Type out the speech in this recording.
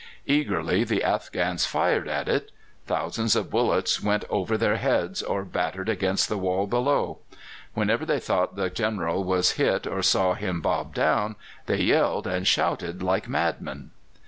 Eagerly the Afghans fired at it. Thousands of bullets went over their heads or battered against the wall below. Whenever they thought the General was hit or saw him bob down, they yelled and shouted like madmen.